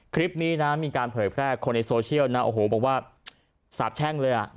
คลิปนี้นะมีการเผยแพร่คนในโซเชียลนะโอ้โหบอกว่าสาบแช่งเลยอ่ะ